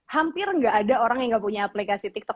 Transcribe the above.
hampir gak ada orang yang gak punya aplikasi tiktok